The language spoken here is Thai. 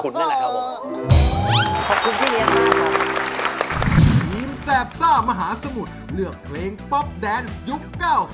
แฟบซ่ามหาสมุทรเลือกเพลงป๊อปแดนซ์ยุค๙๐